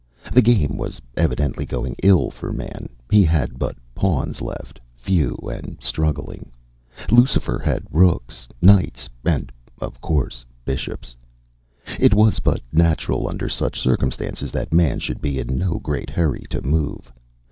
The game was evidently going ill for Man. He had but pawns left, few and struggling. Lucifer had rooks, knights, and, of course, bishops. It was but natural under such circumstances that Man should be in no great hurry to move.